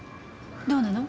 どうなの？